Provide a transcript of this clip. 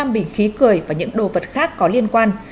hai mươi năm bình khí cười và những đồ vật khác có liên quan